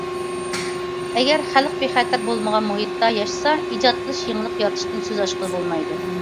ئەگەر خەلق بىخەتەر بولمىغان مۇھىتتا ياشىسا، ئىجاد قىلىش، يېڭىلىق يارىتىشتىن سۆز ئاچقىلى بولمايدۇ.